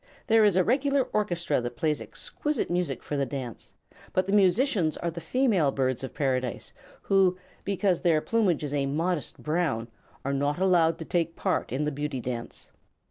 "There is a regular orchestra that plays exquisite music for the dance; but the musicians are the female Birds of Paradise, who, because their plumage is a modest brown, are not allowed to take part in the Beauty Dance."